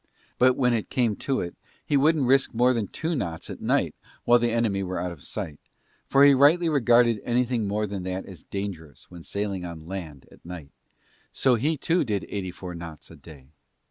But when it came to it he wouldn't risk more than two knots at night while the enemy were out of sight, for he rightly regarded anything more than that as dangerous when sailing on land at night, so he too did eighty four knots a day.